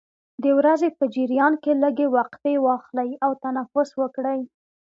د ورځې په جریان کې لږې وقفې واخلئ او تنفس وکړئ.